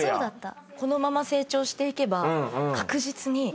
このまま成長していけば確実にプロになれる。